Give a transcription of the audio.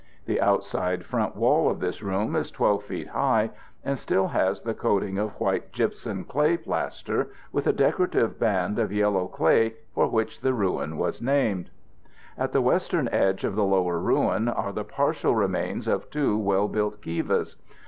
The outside front wall of this room is 12 feet high and still has the coating of white gypsum clay plaster with a decorative band of yellow clay for which the ruin was named. At the western edge of the lower ruin are the partial remains of two well built kivas.